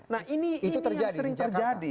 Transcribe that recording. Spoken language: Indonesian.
nah ini sering terjadi